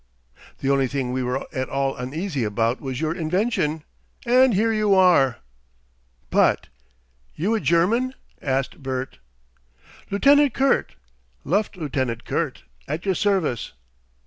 The only thing we were at all uneasy about was your invention. And here you are!" "But! you a German?" asked Bert. "Lieutenant Kurt. Luft lieutenant Kurt, at your service."